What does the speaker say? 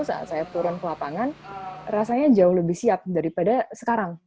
saat saya turun ke lapangan rasanya jauh lebih siap daripada sekarang